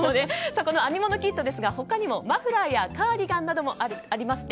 この編み物キットですが他にも、マフラーやカーディガンなどもありまして